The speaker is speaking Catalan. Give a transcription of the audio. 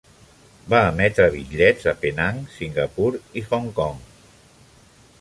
Va emetre bitllets a Penang, Singapur i Hong Kong.